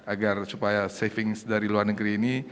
agar supaya saving dari luar negeri ini